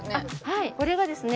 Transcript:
はいこれがですね